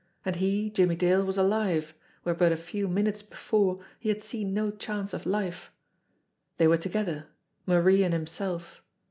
And he, Jimmie Dale, was alive, where but a few minutes before he had seen no chance of life. They were together Marie and himself.